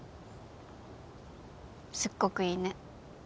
すっごくいいね。